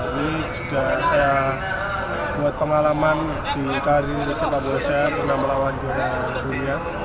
ini juga saya buat pengalaman di kali ini di sepadosa pernah melawan juara dunia